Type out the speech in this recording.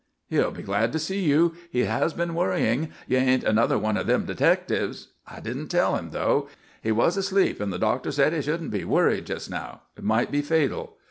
"He'll be glad to see you. He has been worrying. You ain't another one of them detectives? I didn't tell him, though. He was asleep and the doctor said he shouldn't be worried just now. It might be fatal.